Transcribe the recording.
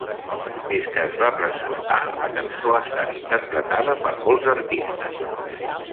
Des que es va presentar, la cançó ha estat interpretada per molts artistes.